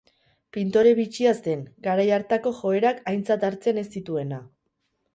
Pintore bitxia zen, garai hartako joerak aintzat hartzen ez zituena.